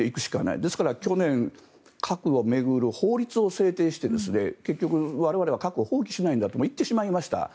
だから、去年核を巡る法律を制定して結局、我々は核を放棄しないんだと言ってしまいました。